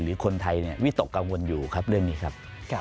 หรือคนไทยวิตกกังวลอยู่ครับเรื่องนี้ครับ